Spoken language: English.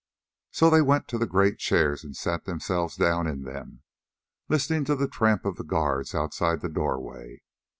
So they went to the great chairs and sat themselves down in them, listening to the tramp of the guards outside the doorway.